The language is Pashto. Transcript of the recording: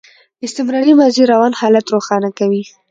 استمراري ماضي روان حالت روښانه کوي.